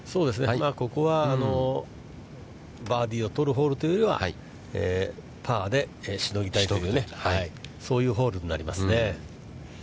ここはバーディーを取るホールというよりはパーでしのぎたいというね、そういうホールになりますね。